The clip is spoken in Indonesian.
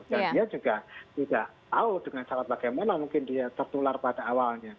dan dia juga tidak tahu dengan cara bagaimana mungkin dia tertular pada awalnya